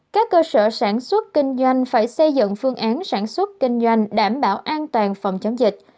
các cơ sở sản xuất kinh doanh phải xây dựng phương án sản xuất kinh doanh đảm bảo an toàn phòng chống dịch